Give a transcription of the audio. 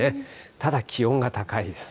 ただ、気温が高いです。